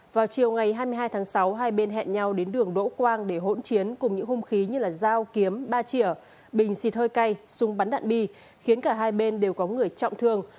vào chiều ngày hai mươi hai tháng sáu hai bên hẹn nhau đến đường đỗ quang để hỗn chiến cùng những hung khí như dao kiếm ba chỉa bình xịt hơi cay súng bắn đạn bi khiến cả hai bên đều có người trọng thương